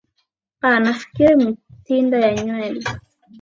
aa nafikiri mitindo ya nywele